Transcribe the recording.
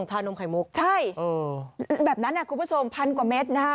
ใช่แบบนั้นครูผู้ชม๑๐๐๐กว่าเมตรนะครับ